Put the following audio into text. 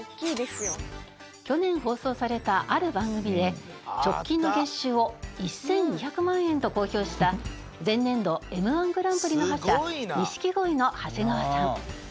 去年放送されたある番組で直近の月収を１２００万円と公表した前年度Ｍ−１グランプリの覇者錦鯉の長谷川さん。